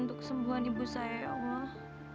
untuk sembuhan ibu saya ya allah